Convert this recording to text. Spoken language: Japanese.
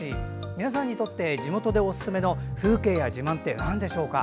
皆さんにとって地元でおすすめの風景や自慢ってなんでしょうか。